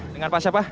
dengan pak siapa